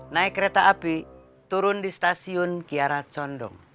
naik kereta api turun di stasiun kiara condong